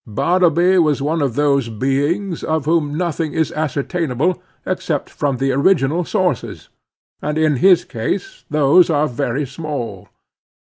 Bartleby was one of those beings of whom nothing is ascertainable, except from the original sources, and in his case those are very small.